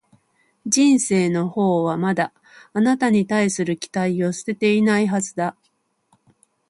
人生のほうはまだ、あなたに対する期待を捨てていないはずだ